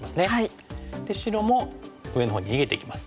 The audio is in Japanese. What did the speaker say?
で白も上のほうに逃げていきます。